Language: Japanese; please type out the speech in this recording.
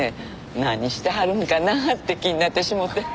何してはるんかな？って気になってしもて。